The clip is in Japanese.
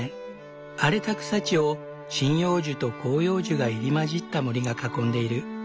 荒れた草地を針葉樹と広葉樹が入り交じった森が囲んでいる。